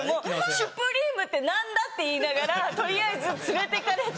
シュプリームって何だ？って言いながら取りあえず連れて行かれて。